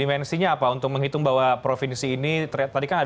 dimensinya apa untuk menghitung bahwa provinsi ini ternyata berpengaruh